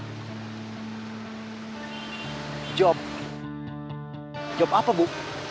kerja kerja apa bu